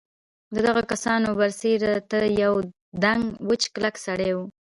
د دغو کسانو بر سر ته یوه دنګ وچ کلک سړي و.